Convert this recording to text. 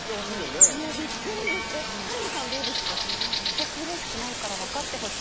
全くうれしくないから分かってほしいです。